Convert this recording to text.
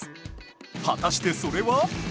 果たしてそれは？